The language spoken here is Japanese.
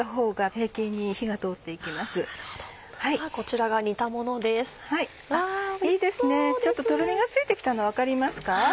ちょっととろみがついて来たの分かりますか？